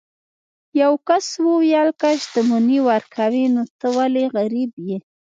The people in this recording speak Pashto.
یو کس وویل که شتمني ورکوي نو ته ولې غریب یې.